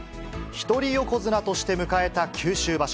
一人横綱として迎えた九州場所。